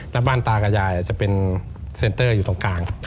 แล้วบ้านตากับยายจะเป็นเซ็นเตอร์อยู่ตรงกลาง